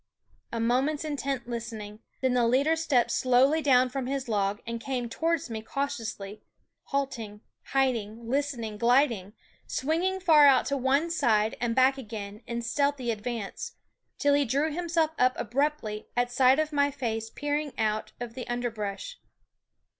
A moment's intent listening; then the leader stepped slowly down from his log and came towards me cautiously, halting, hiding, listening, gliding, swinging far out to one side and back again in stealthy advance, till he drew himself up abruptly at sight of my face peering out of the under brush.